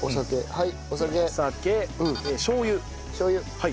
はい。